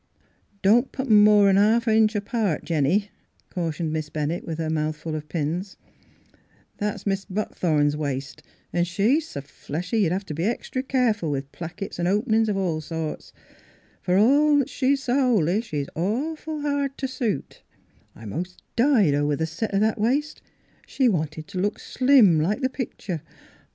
" Don't put 'em more 'n half an inch apart, Jennie," cautioned Miss Bennett, with her mouth full of pins. " That's Mzss Fhilura^s Wedding Gown Mis' Buckthorn's waist, an' she's s' fleshy you have t' be extry careful with plackets an' openin's of all sorts. For all she's s' holy she's awful hard t' suit. I mos' died over the set o' that waist. She wanted t' look slim like the picture.